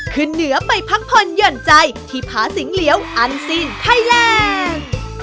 ขึ้นเหนือไปพักผ่อนหย่อนใจที่ผาสิงเหลียวอันซีนไทยแลนด์